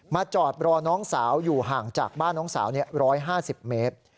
จอดรอน้องสาวอยู่ห่างจากบ้านน้องสาว๑๕๐เมตร